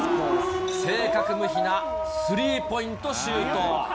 正確無比なスリーポイントシュート。